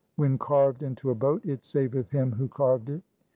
When carved into a boat, it saveth him who carved it.